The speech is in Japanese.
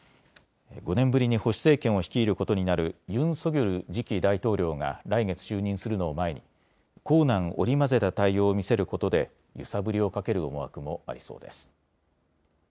５年ぶりに保守政権を率いることになるユン・ソギョル次期大統領が来月就任するのを前に硬軟織り交ぜた対応を見せることで揺さぶりをかける思惑もありそうです。